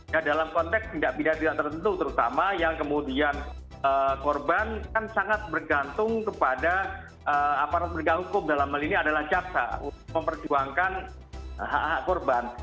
ya dalam konteks tindak pidana tertentu terutama yang kemudian korban kan sangat bergantung kepada aparat penegak hukum dalam hal ini adalah jaksa untuk memperjuangkan hak hak korban